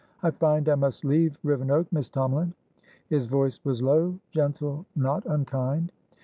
"I find I must leave Rivenoak, Miss Tomalin." His voice was low, gentle, not unkind.